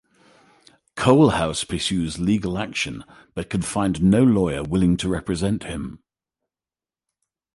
Coalhouse pursues legal action, but can find no lawyer willing to represent him.